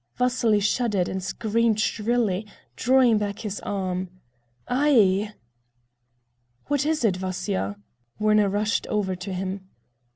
Vasily shuddered and screamed shrilly, drawing back his arm: "Ai!" "What is it, Vasya?" Werner rushed over to him.